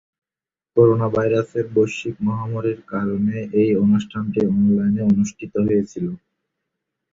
করোনাভাইরাসের বৈশ্বিক মহামারীর কারণে এই অনুষ্ঠানটি অনলাইনে অনুষ্ঠিত হয়েছিল।